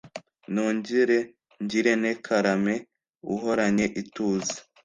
nongere ngirenti karame uhoranye ituze.>>